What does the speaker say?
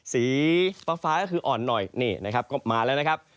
สีฟ้าก็คืออ่อนหน่อยนี่นะครับก็มาแล้วนะครับ